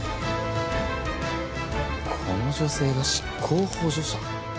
この女性が執行補助者？